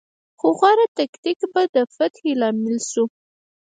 خو غوره تکتیک به د فتحې لامل شو.